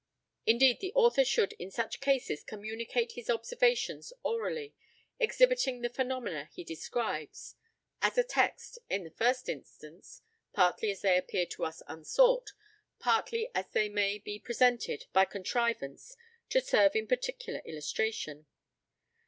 Indeed, the author should in such cases communicate his observations orally, exhibiting the phenomena he describes as a text, in the first instance, partly as they appear to us unsought, partly as they may be presented by contrivance to serve in particular illustration.